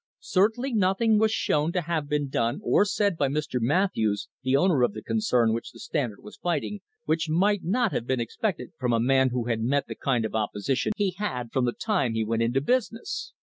Certainly nothing was shown to have been done or said by Mr. Matthews, the owner of the concern which the Standard was fighting, which might not have been ex pected from a man who had met the kind of opposition he had from the time he went into business.